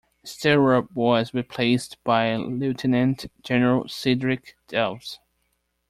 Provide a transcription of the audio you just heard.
Stirrup was replaced by Lieutenant General Cedric Delves.